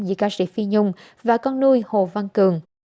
giữa ca sĩ phi nhung và con nuôi hồ văn cường